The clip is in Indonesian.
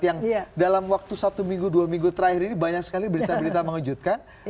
yang dalam waktu satu minggu dua minggu terakhir ini banyak sekali berita berita mengejutkan